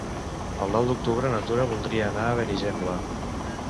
El nou d'octubre na Tura voldria anar a Benigembla.